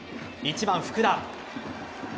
１番・福田。